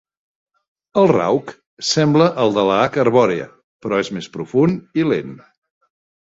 El rauc sembla el de la "H. arborea", però és més profund i lent.